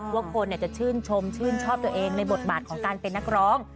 ว่าคนจะชื่นชมชื่นชอบตัวเองในบทบาทของการเป็นนักร้อง